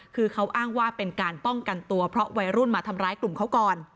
คือเขาอ้างว่าเป็นการป้องกันตัวเพราะวัยรุ่นมาทำร้ายกลุ่มเขาก่อน